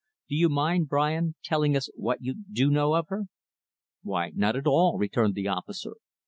Do you mind, Brian, telling us what you do know of her?" "Why, not at all," returned the officer.